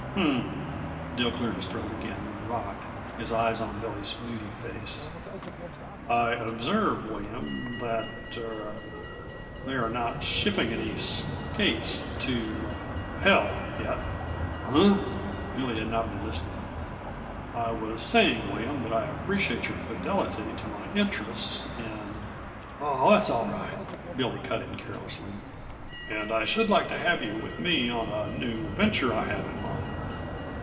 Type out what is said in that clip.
"H m m!" Dill cleared his throat again and rocked, his eyes on Billy's moody face. "I observe, William, that er they are not shipping any skates to er hell, yet!" "Huh?" Billy had not been listening. "I was saying, William, that I appreciate your fidelity to my interests, and " "Oh, that's all right," Billy cut in carelessly. " And I should like to have you with me on a new venture I have in mind.